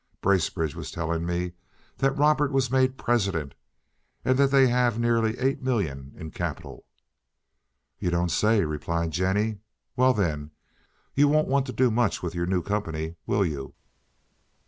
Bracebridge was telling me that Robert was made president, and that they have nearly eight millions in capital." "You don't say!" replied Jennie. "Well, then you won't want to do much with your new company, will you?"